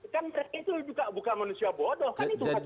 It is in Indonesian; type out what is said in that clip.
kan itu juga bukan manusia bodoh kan